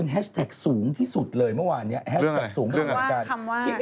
แฮชแทรกสูงที่สุดเลยเมื่อวานนี้